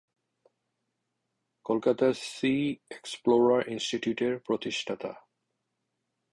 কলকাতার 'sea explorer institute' এর প্রতিষ্ঠাতা।